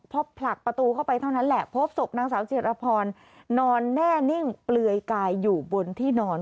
พอผลักประตูเข้าไปเท่านั้นแหละพบศพนางสาวจิรพรนอนแน่นิ่งเปลือยกายอยู่บนที่นอน